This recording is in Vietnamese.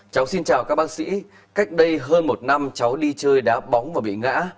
cháu xin chào các bác sĩ cách đây hơn một năm cháu đi chơi đá bóng và bị ngã